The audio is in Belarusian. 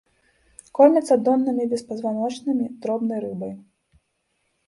Кормяцца доннымі беспазваночнымі, дробнай рыбай.